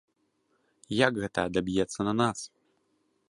Як гэта адаб'ецца на нас.